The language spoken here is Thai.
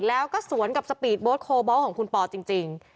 แล้วก็สวนกับสปีดโบ๊ทโคบอลของคุณปอจริง